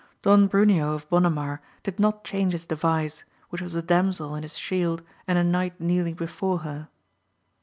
Don Bruneo of Bonamar did not change his device, which was a damsel in his shield and a knight kneeling before her.